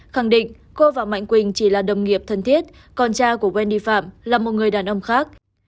khẳng định cô và mạnh quỳnh chỉ là đồng nghiệp thân thiết còn cha của veni phạm là một người đàn ông khác